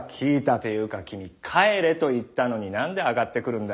ていうか君帰れと言ったのに何で上がってくるんだ。